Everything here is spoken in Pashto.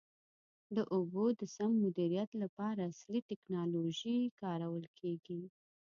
د اوبو د سم مدیریت لپاره عصري ټکنالوژي کارول کېږي.